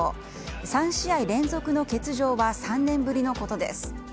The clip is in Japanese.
３試合連続の欠場は３年ぶりのことです。